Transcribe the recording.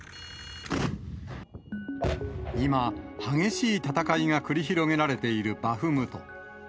今、激しい戦いが繰り広げられているバフムト。